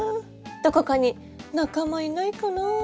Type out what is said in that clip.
どこかに仲間いないかなぁ」。